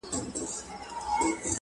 د ډياسپورا له لوري په عقل